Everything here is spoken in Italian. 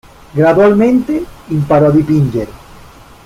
Gradualmente imparò a dipingere.